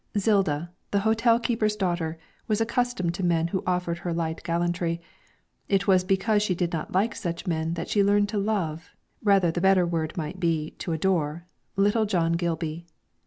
Zilda, the hotel keeper's daughter, was accustomed to men who offered her light gallantry. It was because she did not like such men that she learned to love rather the better word might be, to adore little John Gilby.